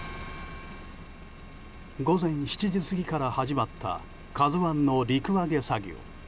午前７時過ぎから始まった「ＫＡＺＵ１」の陸揚げ作業。